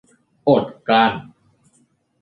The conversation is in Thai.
อดกลั้น